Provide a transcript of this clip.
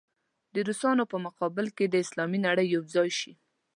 د روسانو په مقابل کې دې اسلامي نړۍ یو ځای شي.